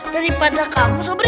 daripada kamu sobri